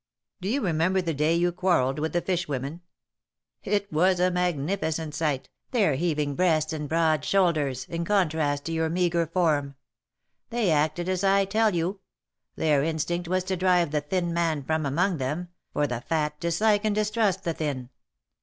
Do you remember the day you quarrelled with the fish women ? It was a magnificent sight, their heaving breasts and broad shoulders, in contrast to your meagre form. They acted as I tell you. Their instinct was to drive the thin man from among them, for the Fat dislike and distrust the Thin.